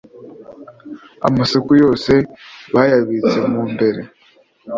amasuka yose bayabitse mu mbere